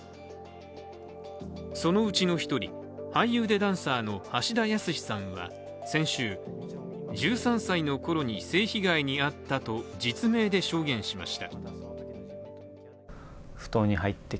そのうちの１人、俳優でダンサーの橋田康さんは先週１３歳のころに性被害に遭ったと実名で証言しました。